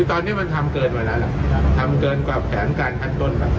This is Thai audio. ทำเกินกับแผนการทั้งต้น